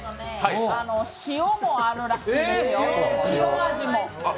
塩もあるらしいですよ、塩味も。